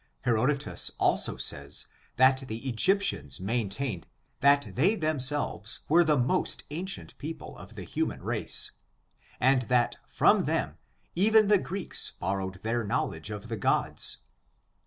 Herodotus also says, that the Egyptians maintained that they themselves were the most ancient people of the human race, and that from them even the Greeks borrowed their knowledge of the gods.